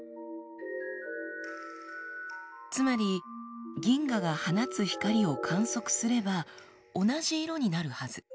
つまり銀河が放つ光を観測すれば同じ色になるはず。